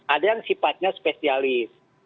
ada yang sifatnya spesialis